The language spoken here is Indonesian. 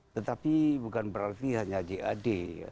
tetapi bukan berarti hanya jad